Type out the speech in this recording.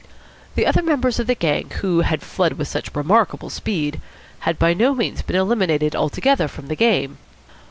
The other members of the gang, who had fled with such remarkable speed, had by no means been eliminated altogether from the game.